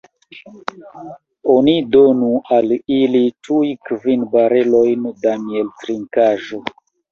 Oni donu al ili tuj kvin barelojn da mieltrinkaĵo!